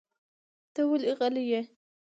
ته ولې غلی یې؟